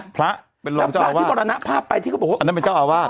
พระเป็นรองเจ้าอาวาดอันนั้นเป็นเจ้าอาวาด